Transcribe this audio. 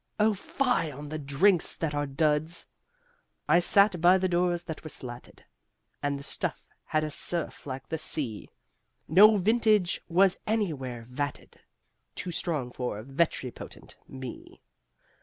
O fie on the drinks that are duds! I sat by the doors that were slatted And the stuff had a surf like the sea No vintage was anywhere vatted Too strong for ventripotent me!